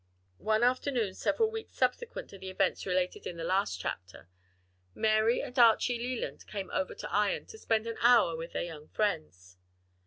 One afternoon, several weeks subsequent to the events related in the last chapter, Mary and Archie Leland came over to Ion to spend an hour with their young friends.